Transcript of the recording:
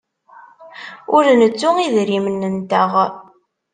Ur nettu idrimen-nteɣ.